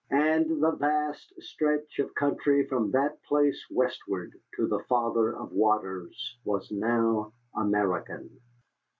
And the vast stretch of country from that place westward to the Father of Waters was now American.